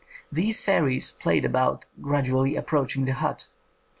These fairies played about, gradu ally approaching the hut.